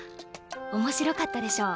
面白かったでしょ？